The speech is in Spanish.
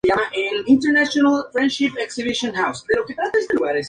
Durante el proceso fundacional llegaron incluso en los Estados Unidos.